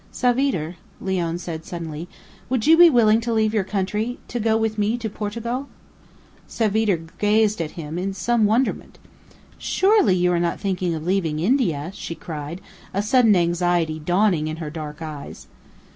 "Savitre," Leone said suddenly, "would you be willing to leave your country to go with me to Portugal?" Savitre gazed at him in some wonderment. "Surely you are not thinking of leaving India?" she cried, a sudden anxiety dawning in her dark eyes.